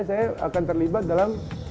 saya akan terlibat dalam